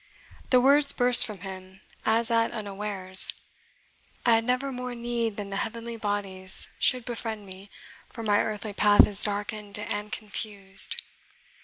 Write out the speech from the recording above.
The words burst from him as at unawares, "I had never more need that the heavenly bodies should befriend me, for my earthly path is darkened and confused."